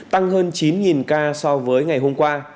tăng hơn chín ca so với ngày hôm qua